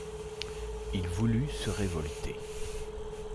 Il voulut se révolter.